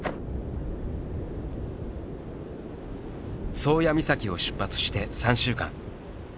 宗谷岬を出発して３週間。